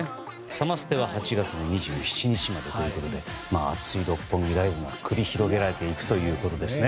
サマステは８月の２７日までということで熱い六本木ライブが繰り広げられていくということですね。